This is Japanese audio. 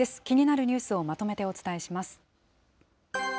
気になるニュースをまとめてお伝えします。